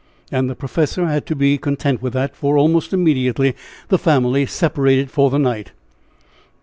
And the professor had to be content with that, for almost immediately the family separated for the night.